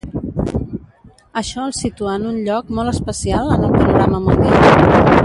Això el situa en un lloc molt especial en el panorama mundial.